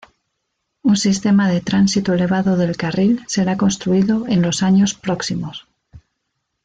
Un sistema de tránsito elevado del carril será construido en los años próximos.